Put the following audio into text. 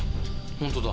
本当だ。